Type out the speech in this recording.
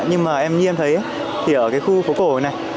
nhưng mà em như em thấy thì ở cái khu phố cổ này